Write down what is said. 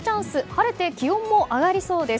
晴れて気温も上がりそうです。